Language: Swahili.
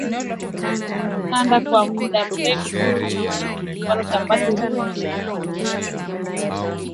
Kanda kwa mda mrefu kupata chapati za viazi lishe zilizo laini